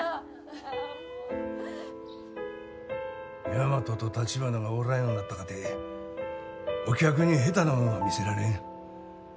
大和と橘がおらんようになったかてお客に下手なもんは見せられん。